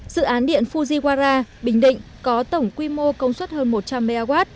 dự án điện fujiwara bình định có tổng quy mô công suất hơn một trăm linh mw